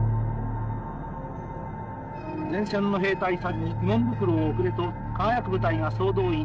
「前線の兵隊さんに慰問袋を送れと輝ク部隊が総動員。